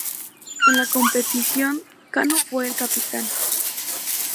En la competición, Kanu fue el capitán.